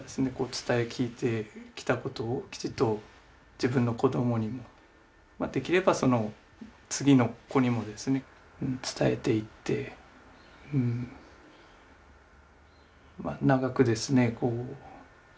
伝え聞いてきたことをきちっと自分の子どもにもできればその次の子にもですね伝えていってうん長くですね